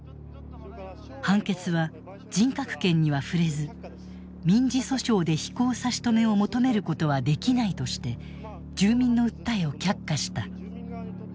判決は人格権には触れず民事訴訟で飛行差し止めを求めることはできないとして住民の訴えを却下した。